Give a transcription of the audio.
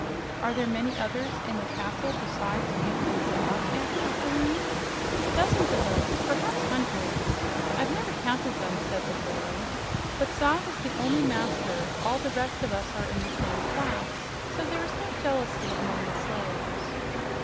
"Are there many others in the castle besides you and Zog?" asked Aquareine. "Dozens of us. Perhaps hundreds. I've never counted them," said the boy. "But Zog is the only master; all the rest of us are in the same class, so there is no jealousy among the slaves."